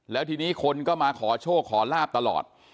แล้วทีนี้คนก็มาขอโชคขอลาบตลอด